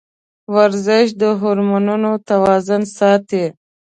ورزش د هورمونونو توازن ساتي.